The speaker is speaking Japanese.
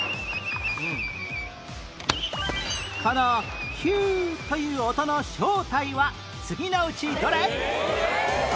この「ヒュ」という音の正体は次のうちどれ？